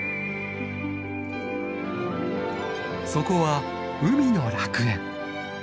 そこは海の楽園。